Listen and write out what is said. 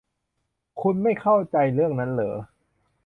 คุณไม่เข้าใจเรื่องนั้นเหรอ